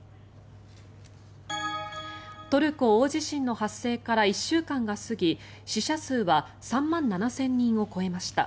トルコ大地震の発生から１週間が過ぎ死者数は３万７０００人を超えました。